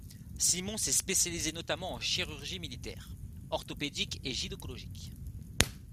Simon s’est spécialisé notamment en chirurgie militaire, orthopédique et gynécologique.